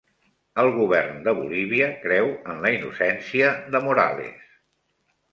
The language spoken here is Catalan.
El govern de Bolívia creu en la innocència de Morales